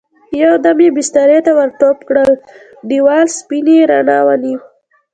يو دم يې بسترې ته ور ټوپ کړل، دېوال سپينې رڼا ونيو.